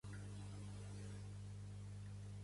La cervesa amb llimona a Barcelona es diu clara